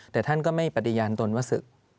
แต่ท่านก็ไม่ปฏิญาณตนว่าศึก